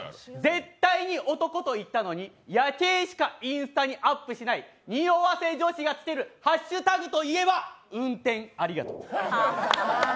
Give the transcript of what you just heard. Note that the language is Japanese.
絶対に男といったのに、夜景しかインスタにアップしないにおわせ女子が来ているハッシュタグといえば「＃運転ありがとう」